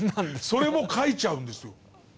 それも描いちゃうんですよ。